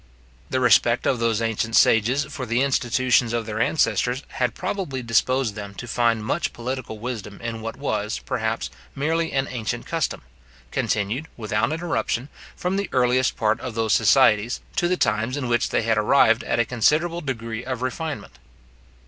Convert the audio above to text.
The respect of those ancient sages for the institutions of their ancestors had probably disposed them to find much political wisdom in what was, perhaps, merely an ancient custom, continued, without interruption, from the earliest period of those societies, to the times in which they had arrived at a considerable degree of refinement.